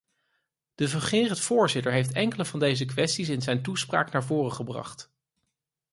De fungerend voorzitter heeft enkele van deze kwesties in zijn toespraak naar voren gebracht.